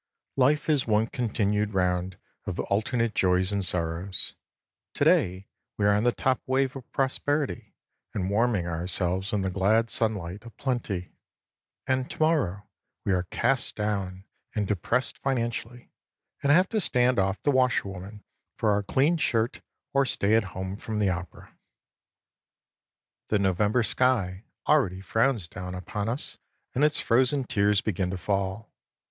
Life is one continued round of alternative joys and sorrows. To day we are on the top wave of prosperity and warming ourselves in the glad sunlight of plenty, and to morrow we are cast down and depressed financially, and have to stand off the washer woman for our clean shirt or stay at home from the opera. The November sky already frowns down upon us, and its frozen tears begin to fall.